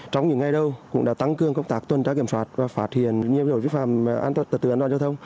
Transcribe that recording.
trong những ngày đầu cũng đã tăng cương công tác tuân trá kiểm soát và phát hiện nhiều lỗi vi phạm tật tư an toàn giao thông